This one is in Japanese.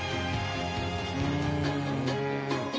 うん。